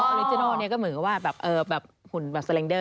ออริจินอลนี้ก็เหมือนกับหุ่นสล็นเดอร์